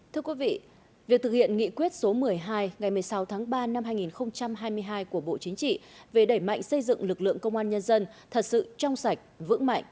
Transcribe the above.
thưa quý vị việc thực hiện nghị quyết số một mươi hai ngày một mươi sáu tháng ba năm hai nghìn hai mươi hai của bộ chính trị về đẩy mạnh xây dựng lực lượng công an nhân dân thật sự trong sạch vững mạnh